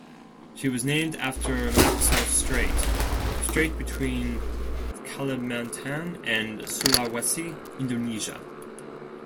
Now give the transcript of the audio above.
She was named after Makassar Strait, the strait between Kalimantan and Sulawesi, Indonesia.